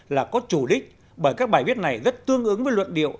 là có chủ đích bởi các bài viết này rất tương ứng với luận điệu